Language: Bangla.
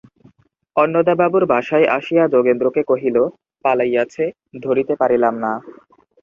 অন্নদাবাবুর বাসায় আসিয়া যোগেন্দ্রকে কহিল, পালাইয়াছে, ধরিতে পারিলাম না।